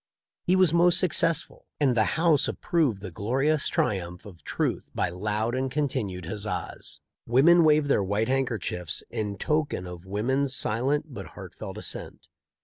He was most successful, and the house approved the glorious triumph of truth by loud and continued huzzas. Women waved their white handkerchiefs in token of wo man's silent but heartfelt assent.